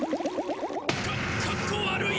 かかっこ悪い。